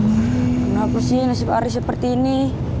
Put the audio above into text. kenapa sih nasib ari seperti ini